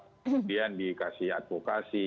kemudian dikasih advokasi